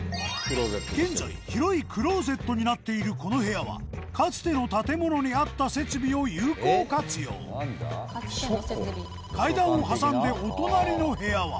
現在広いクローゼットになっているこの部屋はかつての建物にあった設備を有効活用階段を挟んでお隣の部屋は？